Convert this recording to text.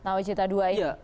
nah cerita dua ini